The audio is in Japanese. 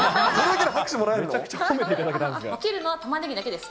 切るのはタマネギだけです。